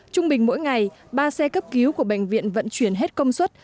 trung bình mỗi ngày ba xe cấp cứu của bệnh viện vận chuyển hết công suất